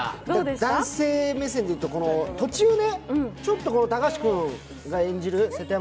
男性目線で言うと、途中、ちょっと高橋君が演じる瀬戸山